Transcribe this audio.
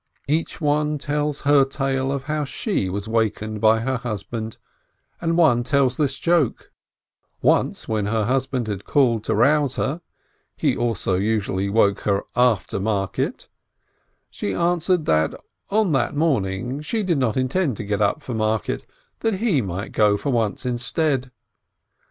Each one tells her tale of how she was wakened by her husband, and one tells this joke: Once, when her husband had called to rouse her (he also usually woke her after market), she answered that on that morning she did not intend to get up for market, that he might go for once instead.